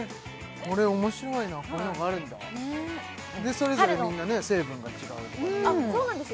これ面白いなこんなのがあるんだそれぞれみんな成分が違うそうなんですよ